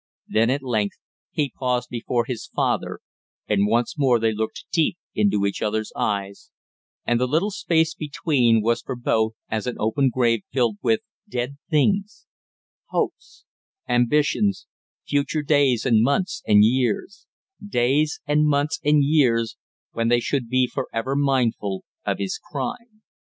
Then at length he paused before his father, and once more they looked deep into each other's eyes, and the little space between was for both as an open grave filled with dead things hopes, ambitions, future days and months and years days and months and years when they should be for ever mindful of his crime!